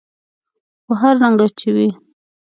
خو هر رنګه چې وي.